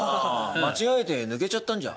間違えて抜けちゃったんじゃ？